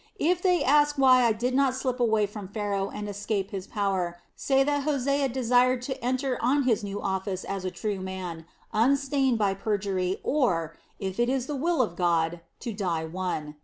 "If they ask why I did not slip away from Pharaoh and escape his power, say that Hosea desired to enter on his new office as a true man, unstained by perjury or, if it is the will of God, to die one.